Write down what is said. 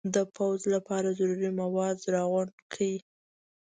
د پوځ لپاره ضروري مواد را غونډ کړي.